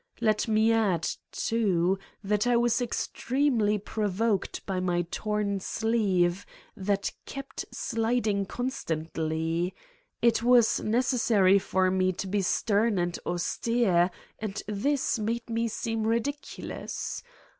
Let me add, too, that I was extremely pro voked by my torn sleeve that kept slipping con stantly : it was necessary for me to be stern and austere and this made me seem ridiculous